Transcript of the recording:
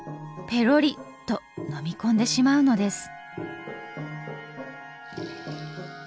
ぺろりっと飲み込んでしまうのです。